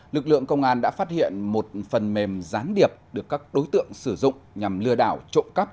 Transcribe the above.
lực lượng công an đã phát hiện một phần mềm gián điệp được các đối tượng sử dụng nhằm lừa đảo trộm cắp